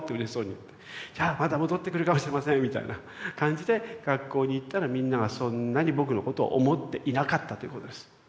「じゃあまた戻ってくるかもしれません」みたいな感じで学校に行ったらみんながそんなに僕のことを思っていなかったということです。